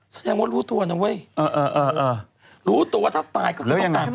แสดงว่ารู้ตัวนะเว้ยรู้ตัวว่าถ้าตายก็คือต้องการ